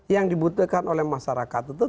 yang dibutuhkan oleh masyarakat itu